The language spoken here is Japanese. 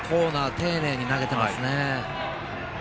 丁寧に投げてますね。